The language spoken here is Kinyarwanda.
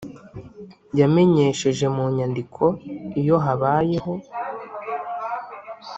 yamenyesheje mu nyandiko Iyo habayeho